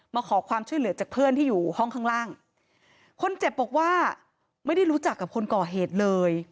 มาขอความช่วยเหลือจากเพื่อนที่อยู่ห้องข้างล่างคนเจ็บบอกว่าไม่ได้รู้จักกับคนก่อเหตุเลย